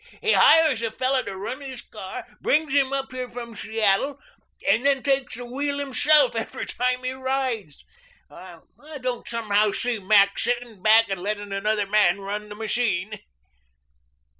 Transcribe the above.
He hires a fellow to run his car brings him up here from Seattle and then takes the wheel himself every time he rides. I don't somehow see Mac sitting back and letting another man run the machine."